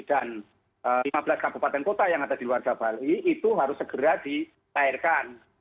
dan lima belas kabupaten kota yang ada di luar jawa bali itu harus segera ditahirkan